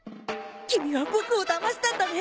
キミはボクをだましたんだね！